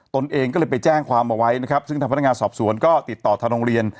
ตนเองก็เลยไปแจ้งความเอาไว้นะครับซึ่งทางพนักงานสอบสวนก็ติดต่อทางโรงเรียน